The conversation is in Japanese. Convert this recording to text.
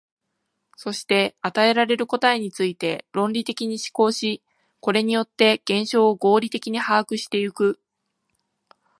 そして与えられる答えについて論理的に思考し、これによって現象を合理的に把握してゆく。